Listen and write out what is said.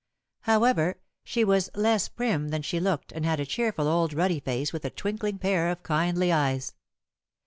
However, she was less prim than she looked, and had a cheerful old ruddy face with a twinkling pair of kindly eyes.